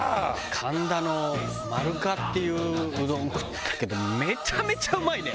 神田の丸香っていううどん食ったけどめちゃめちゃうまいね！